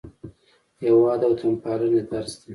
هېواد د وطنپالنې درس دی.